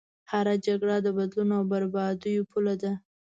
هره جګړه د بدلون او بربادیو پوله ده.